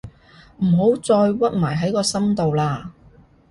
唔好再屈埋喺個心度喇